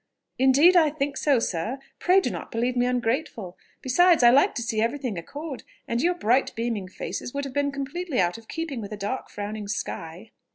"Indeed I think so, sir.... Pray do not believe me ungrateful. Besides, I like to see everything accord and your bright beaming faces would have been completely out of keeping with a dark frowning sky."